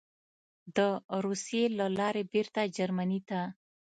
د روسیې له لارې بېرته جرمني ته: